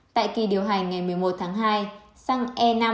tại kỳ điều hành ngày một mươi một tháng hai xăng e năm